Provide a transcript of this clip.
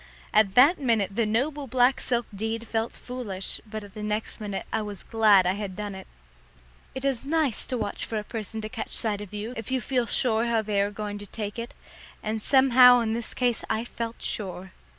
At that minute the noble black silk deed felt foolish, but at the next minute I was glad I had done it. It is nice to watch for a person to catch sight of you if you feel sure how they are going to take it, and somehow in this case I felt sure.